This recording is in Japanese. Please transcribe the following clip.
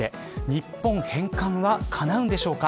日本返還はかなうんでしょうか。